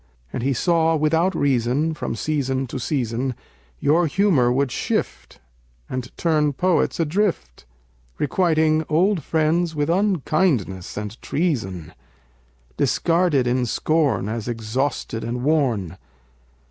And he saw without reason, from season to season, Your humor would shift, and turn poets adrift, Requiting old friends with unkindness and treason, Discarded in scorn as exhausted and worn.